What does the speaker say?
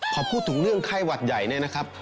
พอพูดถึงเรื่องไข้หวัดใหญ่เนี่ยนะครับ